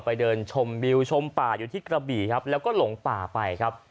ไปเดินชมวิวชมป่าอยู่ที่กระบี่ครับแล้วก็หลงป่าไปครับ